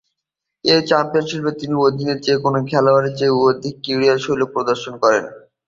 ঐ চ্যাম্পিয়নশীপে তিনি অন্য যে-কোন খেলোয়াড়ের চেয়ে অধিক ক্রীড়াশৈলী প্রদর্শন করেন।